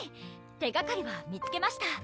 手がかりは見つけました